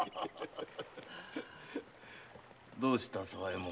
どうした沢右衛門。